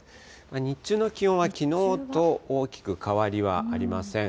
日中の気温はきのうと大きく変わりはありません。